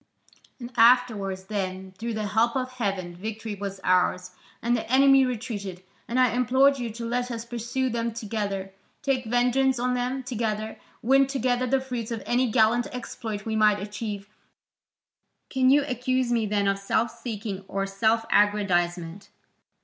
"And afterwards, when, through the help of heaven, victory was ours, and the enemy retreated, and I implored you to let us pursue them together, take vengeance on them together, win together the fruits of any gallant exploit we might achieve, can you accuse me then of self seeking or self aggrandisement?"